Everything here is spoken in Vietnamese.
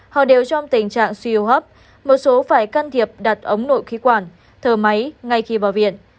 họ đều trong tình trạng suy hô hấp một số phải can thiệp đặt ống nội khí quản thở máy ngay khi vào viện